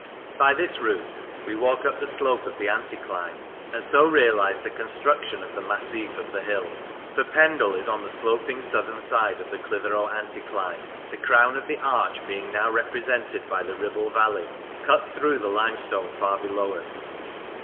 By this route we walk up the slope of the anticline, and so realise the construction of the massif of the hill. For Pendle is on the sloping southern side of the Clitheroe anticline, the crown of the arch being now represented by the Kibble valley, cut through 210 Pendle the limestone far below us.